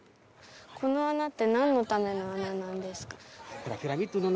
この穴ってなんのための穴なんですか？